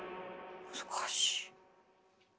難しい。